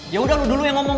ya udah lo dulu yang omong